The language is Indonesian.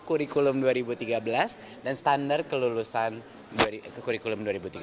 kurikulum dua ribu tiga belas dan standar kelulusan kurikulum dua ribu tiga belas